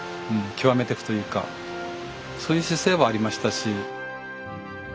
極めていくというかそういう姿勢はありましたし。